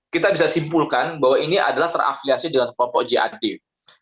kita bisa simpulkan bahwa ini adalah terafiliasi dengan kelompok jad